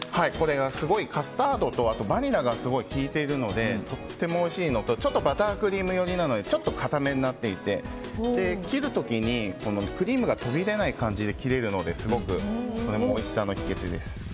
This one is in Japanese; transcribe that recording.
すごいカスタードとバニラがきいているのでとってもおいしいのとバタークリーム寄りなのでちょっと硬めになっていて切る時にクリームが飛び出ない感じで切れるのがおいしさの秘訣です。